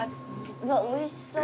うわっおいしそう。